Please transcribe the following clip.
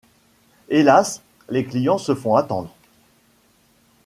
Hélas, les clients se font attendre...